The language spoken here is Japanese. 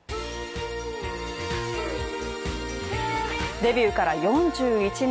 デビューから４１年